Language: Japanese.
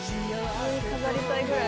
飾りたいぐらい。